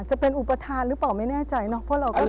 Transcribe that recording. จะเป็นอุปทานหรือเปล่าไม่แน่ใจเนอะเพราะเราก็รู้